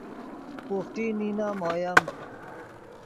بوخٹی نینم اویم